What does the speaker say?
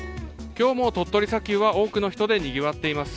今日も鳥取砂丘は多くの人でにぎわっています。